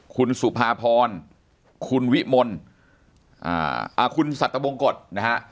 คุณสุภาพรคุณวิมลคุณสัตวงกฎนะฮะ